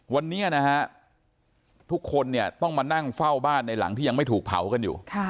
วันนี้นะฮะทุกคนเนี่ยต้องมานั่งเฝ้าบ้านในหลังที่ยังไม่ถูกเผากันอยู่